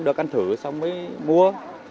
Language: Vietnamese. được ăn thử xong mới mua